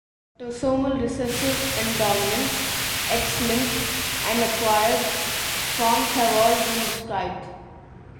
Autosomal recessive and dominant, X-linked, and acquired forms have all been described.